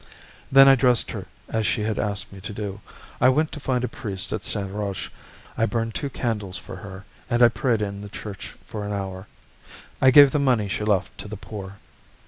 Then I dressed her as she had asked me to do. I went to find a priest at Saint Roch, I burned two candles for her, and I prayed in the church for an hour. I gave the money she left to the poor.